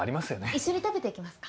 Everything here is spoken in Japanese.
一緒に食べて行きますか？